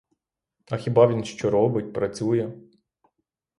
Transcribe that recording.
А хіба він що робить, працює?